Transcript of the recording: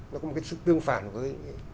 nó cũng có một cái sức tương phản với